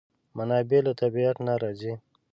منابع له طبیعت نه راځي.